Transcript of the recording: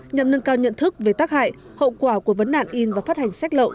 nhằm nâng cao nhận thức về tác hại hậu quả của vấn đạn in và phát hành sách lậu